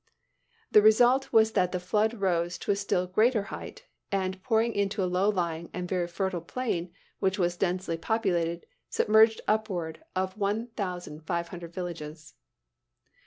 The result was that the flood rose to a still greater height, and pouring into a low lying and very fertile plain which was densely populated, submerged upward of one thousand five hundred villages.